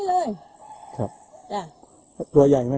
เหลืองเท้าอย่างนั้น